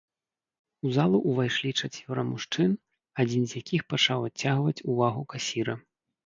У залу ўвайшлі чацвёра мужчын, адзін з якіх пачаў адцягваць увагу касіра.